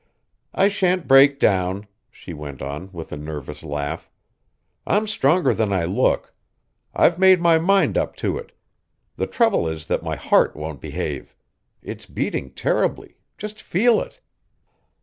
"I shan't break down," she went on, with a nervous laugh. "I'm stronger than I look. I've made my mind up to it. The trouble is that my heart won't behave. It's beating terribly just feel it."